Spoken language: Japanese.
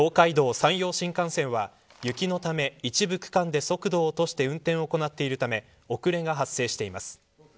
山陽新幹線は雪のため一部区間で速度を落として運転を行っているため遅れが発生しています。